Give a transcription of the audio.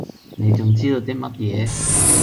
你仲知道啲乜野？